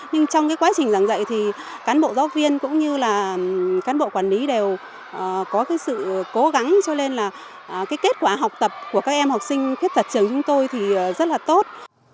nhưng trong cái quá trình giảng dạy thì cán bộ giáo viên cũng như là cán bộ quản lý đều có cái sự cố gắng cho nên là cái kết quả học tập của các em học sinh khuyết tật trường chúng tôi thì rất là tốt